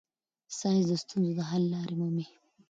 ساینس د ستونزو د حل لارې مومي.